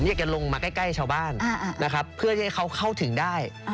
อยากจะลงมาใกล้ชาวบ้านนะครับเพื่อที่ให้เขาเข้าถึงได้